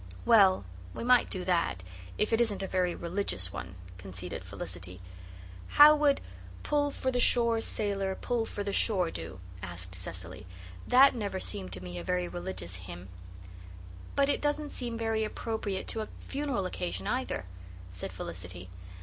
"Well, we might do that, if it isn't a very religious one," conceded Felicity. "How would 'Pull for the shore, sailor, pull for the shore,' do?" asked Cecily. "That never seemed to me a very religious hymn." "But it doesn't seem very appropriate to a funeral occasion either," said Felicity.